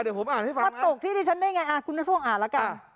อ่าเดี๋ยวผมอ่านให้ฟังอ่าคุณนัทพงศ์อ่านละกันอ่ามาตกที่ดิฉันได้ไง